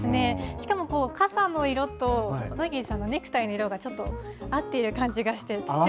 しかも、傘の色と、小田切さんのネクタイの色がちょっと合っている感じがして。